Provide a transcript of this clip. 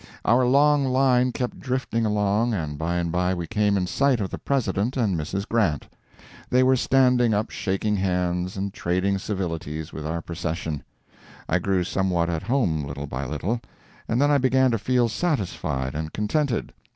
Our long line kept drifting along, and by and by we came in sight of the President and Mrs. Grant. They were standing up shaking hands and trading civilities with our procession. I grew somewhat at home little by little, and then I began to feel satisfied and contented.